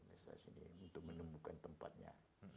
di sana di sini untuk menemukan tempatnya